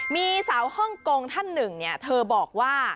มีสาวฮ่องกงท่านหนึ่งเธอบอกว่า